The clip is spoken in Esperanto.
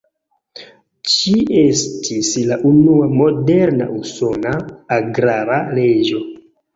Ĝi estis la unua moderna usona agrara leĝo.